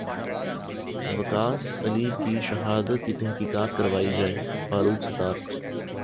وقاص علی کی شہادت کی تحقیقات کروائی جائے فاروق ستار